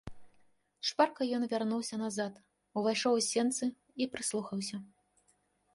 Шпарка ён вярнуўся назад, увайшоў у сенцы і прыслухаўся.